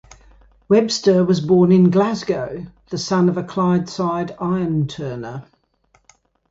Webster was born in Glasgow, the son of a Clydeside ironturner.